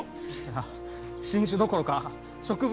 あ新種どころか植物